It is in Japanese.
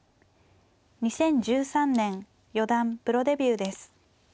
２０１３年四段プロデビューです。